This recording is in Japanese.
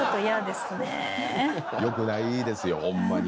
よくないですよホンマに。